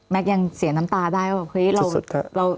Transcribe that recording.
แม็กซ์ยังเสียน้ำตาได้ว่า